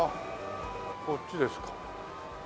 こっちですか。